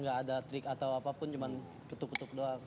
gak ada trik atau apapun cuman ketuk ketuk doang